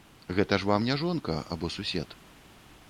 Гэта ж вам не жонка або сусед.